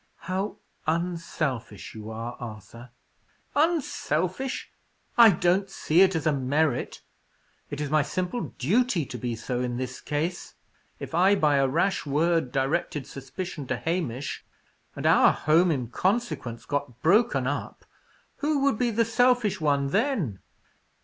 "How unselfish you are, Arthur!" "Unselfish! I don't see it as a merit. It is my simple duty to be so in this case. If I, by a rash word, directed suspicion to Hamish, and our home in consequence got broken up, who would be the selfish one then?"